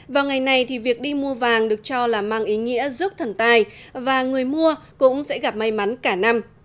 vào ngày này thì việc đi mua vàng được cho là mang ý nghĩa rước thần tài và người mua cũng sẽ gặp may mắn cả năm